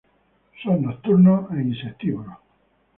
Son nocturnos e insectívoros.